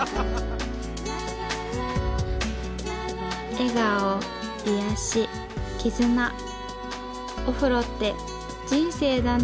笑顔癒やし絆お風呂って人生だな。